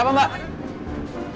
ada apa mbak